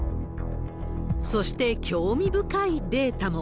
そして、興味深いデータも。